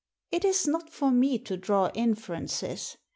"It is not for me to draw inferences.